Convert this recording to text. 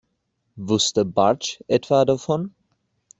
Wusste Bartsch etwa davon?